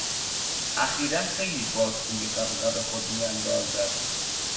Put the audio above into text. اخیرا خیلی باد توی غبغب خود میاندازد.